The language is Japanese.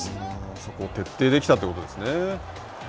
そこを徹底できたということですね。